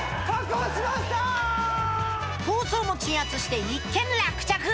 抗争も鎮圧して一件落着！